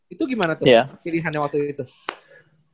itu gimana tuh pilihannya waktu itu